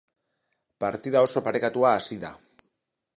Partida oso parekatuta hasi da.